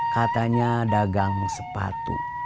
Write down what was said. katanya dagang sepatu